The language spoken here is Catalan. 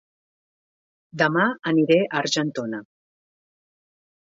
Dema aniré a Argentona